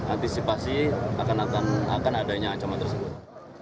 antisipasi akan adanya ancaman tersebut